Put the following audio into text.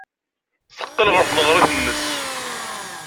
Teqqel ɣer tneɣrit-nnes.